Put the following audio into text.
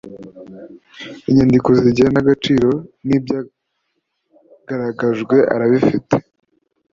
inyandiko z’igenagaciro n’ibyagaragajwe arabifite